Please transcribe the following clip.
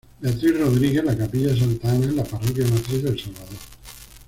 Beatriz Rodríguez la capilla de Santa Ana, en la parroquia matriz del Salvador.